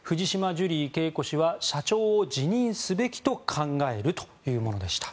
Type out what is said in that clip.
ジュリー景子氏は社長を辞任すべきと考えるというものでした。